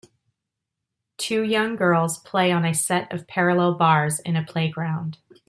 Two young girls play on a set of parallel bars in a playground.